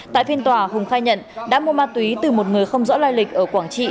tại phiên tòa hùng khai nhận đã mua ma túy từ một người không rõ lai lịch ở quảng trị